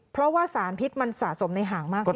เพราะว่าสารพิษมันสะสมในหางมาก